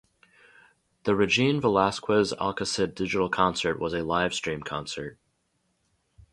The Regine Velasquez-Alcasid Digital Concert was a livestream concert.